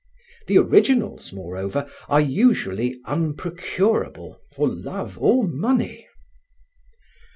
The originals, moreover, are usually unprocurable, for love or money.